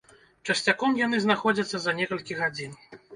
Часцяком яны знаходзяцца за некалькі гадзін.